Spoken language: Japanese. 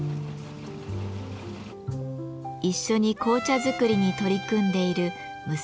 一緒に紅茶作りに取り組んでいる娘の千佳さん。